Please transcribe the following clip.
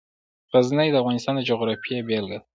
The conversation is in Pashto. غزني د افغانستان د جغرافیې بېلګه ده.